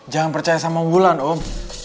jangan percaya sama mulan ulam